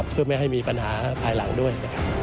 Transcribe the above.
เพื่อไม่ให้มีปัญหาภายหลังด้วยนะครับ